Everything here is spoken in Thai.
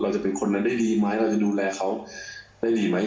จะเป็นคนนั้นได้ดีไหมเราจะดูแลเขาได้ดีไหม